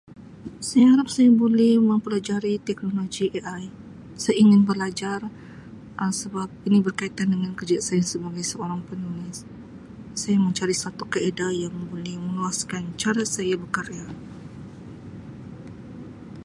"Saya harap saya boleh mempelajari teknologi ""AI"", saya ingin belajar Um sebab ini berkaitan dengan kerjaya saya sebagai seorang penulis, saya mau cari satu kaedah yang boleh meluaskan cara saya berkarya."